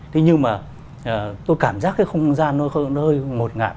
thế nhưng mà tôi cảm giác cái không gian nó hơi ngột ngạt